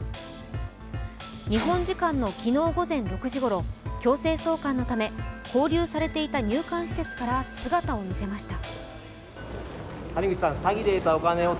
日本時間の昨日午前６時ごろ強制送還のため、拘留されていた入管施設から姿を見せました。